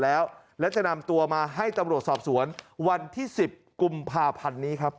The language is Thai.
แล้วและจะนำตัวมาให้ตำรวจสอบสวนวันที่๑๐กุมภาพันธ์นี้ครับ